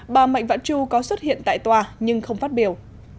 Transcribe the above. bà mạnh vãn chu có xuất hiện tại tòa nhưng không phát biểu